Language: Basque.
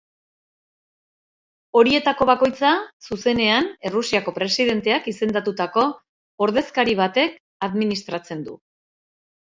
Horietako bakoitza, zuzenean Errusiako presidenteak izendatutako ordezkari batek administratzen du.